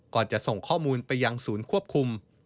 จะส่งข้อมูลไปยังศูนย์ควบคุม